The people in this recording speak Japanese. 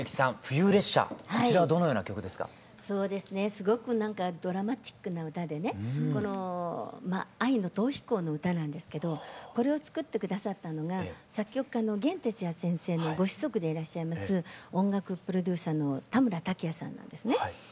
すごく何かドラマチックな歌でね愛の逃避行の歌なんですけどこれを作って下さったのが作曲家の弦哲也先生のご子息でいらっしゃいます音楽プロデューサーの田村武也さんなんですね。